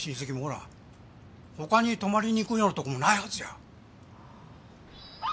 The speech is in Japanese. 他に泊まりにいくようなとこもないはずや。